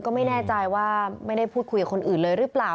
ก็ไม่แน่ใจว่าไม่ได้พูดคุยกับคนอื่นเลยหรือเปล่า